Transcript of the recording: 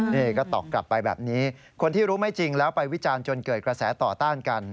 นี่ก็ตอบกลับไปแบบนี้คนที่รู้ไม่จริงแล้วไปวิจารณ์จนเกิดกระแสต่อต้านกัน